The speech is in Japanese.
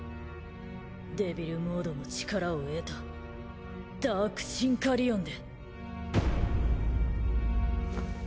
デビルモードの力を得たダークシンカリオンで。